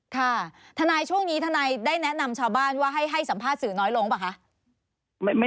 ค่ะทนายช่วงนี้ทนายได้แนะนำชาวบ้านว่าให้สัมภาษณ์สื่อน้อยลงป่ะคะ